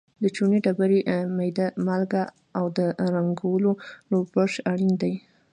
د چونې ډبرې، میده مالګه او د رنګولو برش اړین دي.